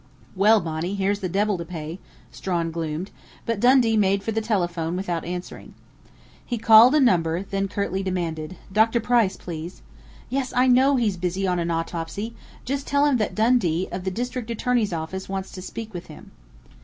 "Well, Bonnie, here's the devil to pay," Strawn gloomed, but Dundee made for the telephone without answering. He called a number, then curtly demanded: "Dr. Price, please!... Yes, I know he's busy on an autopsy. Just tell him that Dundee, of the district attorney's office, wants to speak to him."